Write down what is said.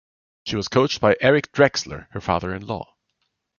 She was coached by Erich Drechsler, her father-in-law.